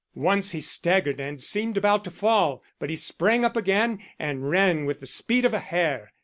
Once he staggered and seemed about to fall, but he sprang up again and ran with the speed of a hare.